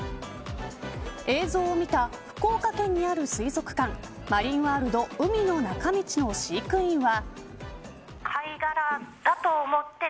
映像を見た、福岡県にある水族館マリンワールド海の中道の飼育員は。